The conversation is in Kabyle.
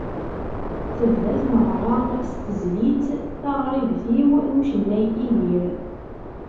Tebda tmeɣra s tezlit “Taɣribt-iw” n ucennay Idir.